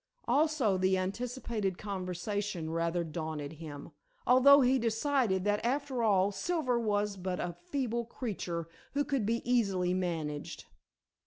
Also the anticipated conversation rather daunted him, although he decided that after all Silver was but a feeble creature who could be easily managed.